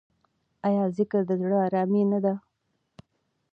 آیا ذکر د زړه ارامي نه ده؟